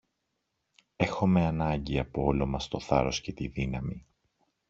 Έχομε ανάγκη από όλο μας το θάρρος και τη δύναμη.